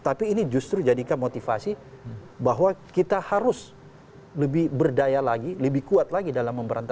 tapi ini justru jadikan motivasi bahwa kita harus lebih berdaya lagi lebih kuat lagi dalam memberantasan